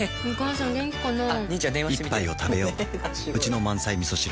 一杯をたべよううちの満菜みそ汁